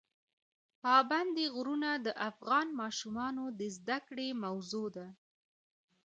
پابندی غرونه د افغان ماشومانو د زده کړې موضوع ده.